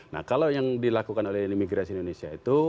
nah kalau yang dilakukan oleh imigrasi indonesia itu